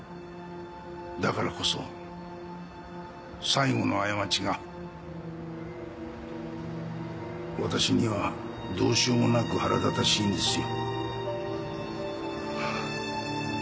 だからこそ最後の過ちが私にはどうしようもなく腹立たしいんですよ。